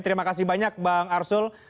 terima kasih banyak bang arsul